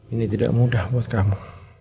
ini tidak mudah buat kamu